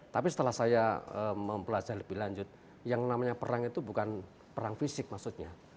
tapi setelah saya mempelajah lebih lanjut yang namanya perang itu bukan perang fisik maksudnya